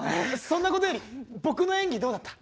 そんなことより僕の演技どうだった？